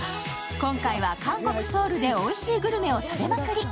今回は韓国ソウルでおいしいグルメを食べまくり。